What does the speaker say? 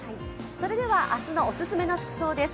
それでは明日のオススメの服装です。